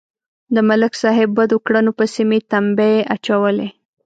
د ملک صاحب بدو کړنو پسې مې تمبې اچولې.